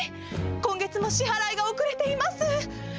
今月も支払いが遅れています。